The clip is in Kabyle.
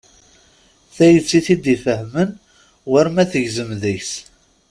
Tayet i t-id-ifahmen war ma tegzem deg-s.